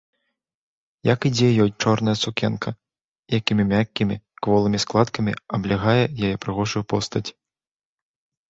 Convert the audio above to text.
Як ідзе ёй чорная сукенка, якімі мяккімі, кволымі складкамі аблягае яе прыгожую постаць!